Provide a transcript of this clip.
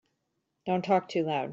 Don't talk too loud.